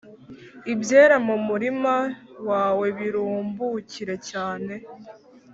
ibyera mu murima wawe birumbukire cyane